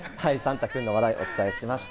たくんの話題をお伝えしました。